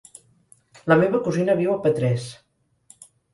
La meva cosina viu a Petrés.